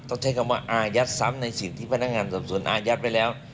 ต้องใช้คำว่าอายัดซำในสิทธิ์ที่พนักงานสำสวนอายัดไปแล้ว